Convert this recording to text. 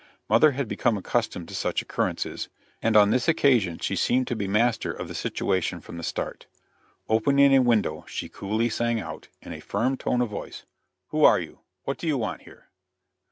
Mother had become accustomed to such occurrences, and on this occasion she seemed to be master of the situation from the start. Opening a window, she coolly sang out, in a firm tone of voice: "Who are you? What do you want here?"